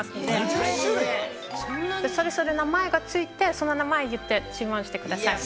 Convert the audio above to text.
それぞれ名前が付いてその名前言って注文してください。